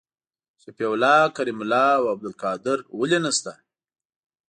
شفیع الله کریم الله او عبدالقادر ولي نسته؟